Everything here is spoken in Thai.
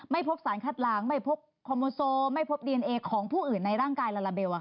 ไม่พบสารคัดหลังไม่พบคอมโมโซไม่พบดีเอนเอของผู้อื่นในร่างกายลาลาเบล